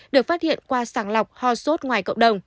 được phát hiện qua sàng lọc ho sốt ngoài cộng đồng